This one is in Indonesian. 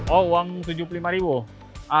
oh uang tujuh puluh lima ribu